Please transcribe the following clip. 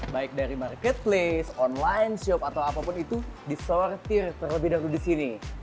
baik dari marketplace online shop atau apapun itu disortir terlebih dahulu di sini